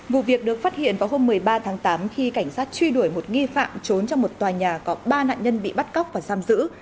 vụ việc được phát hiện vào hôm một mươi ba tháng tám khi cảnh sát truy đuổi một nghi phạm trốn trong một tòa nhà có ba nạn nhân bị bắt cóc và giam giữ